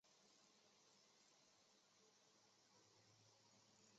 太阳走廊中最大的都会区为凤凰城都会区太阳谷和图森都会区。